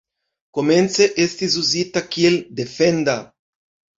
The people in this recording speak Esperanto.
Komence estis uzita kiel defenda.